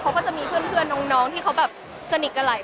เขาก็จะมีเพื่อนน้องที่เขาแบบสนิทกันหลาย